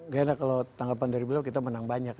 gak enak kalau tanggapan dari beliau kita menang banyak